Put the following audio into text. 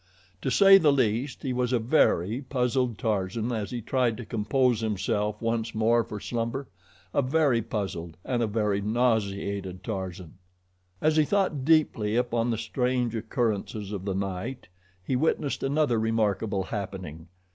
To say the least, he was a very puzzled Tarzan as he tried to compose himself once more for slumber a very puzzled and a very nauseated Tarzan. As he thought deeply upon the strange occurrences of the night, he witnessed another remarkable happening.